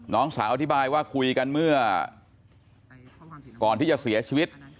น้องสาวอธิบายว่าคุยกันเมื่อก่อนที่จะเสียชีวิต